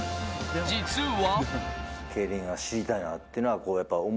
実は。